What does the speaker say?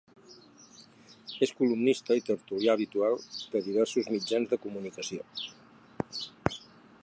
És columnista i tertulià habitual de diversos mitjans de comunicació.